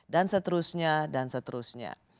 dan seterusnya dan seterusnya